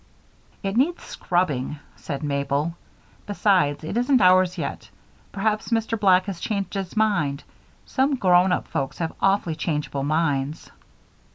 "It needs scrubbing," said Mabel. "Besides, it isn't ours, yet. Perhaps Mr. Black has changed his mind. Some grown up folks have awfully changeable minds."